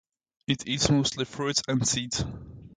It eats mostly fruits and seeds.